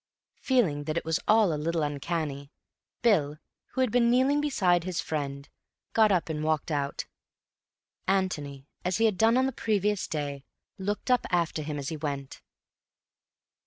Feeling that it was all a little uncanny, Bill, who had been kneeling beside his friend, got up and walked out. Antony, as he had done on the previous day, looked up after him as he went.